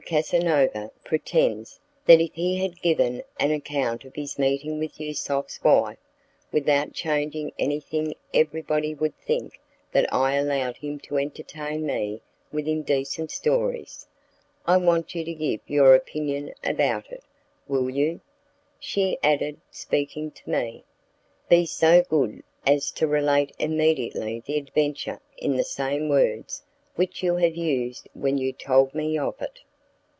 Casanova pretends that if he had given an account of his meeting with Yusuf's wife without changing anything everybody would think that I allowed him to entertain me with indecent stories. I want you to give your opinion about it. Will you," she added, speaking to me, "be so good as to relate immediately the adventure in the same words which you have used when you told me of it?"